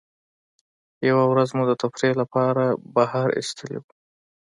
یوه ورځ مو د تفریح له پاره بهر ایستلي وو.